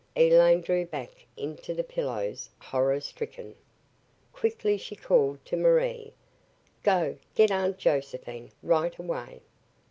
Elaine drew back into the pillows, horror stricken. Quickly she called to Marie. "Go get Aunt Josephine right away!"